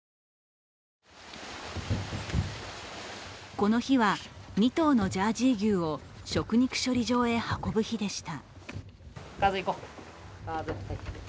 この日は２頭のジャージー牛を食肉処理場へ運ぶ日でした。